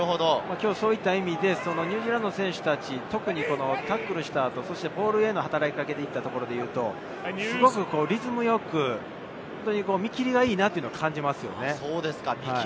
そういった意味でニュージーランドの選手たち、タックルした後、ボールへの働き掛け、すごくリズムよく、見切りがいいというのを感じます。